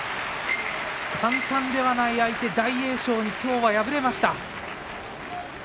簡単ではない相手、大栄翔にきょう敗れました。